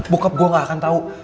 bokap gua gak akan tau